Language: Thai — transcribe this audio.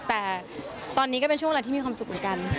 แต่ตอนนี้ก็เป็นช่วงเวลาที่มีความสุขเหมือนกัน